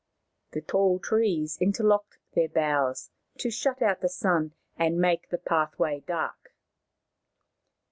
The tall trees interlocked their boughs to shut out the sun and make the pathway dark.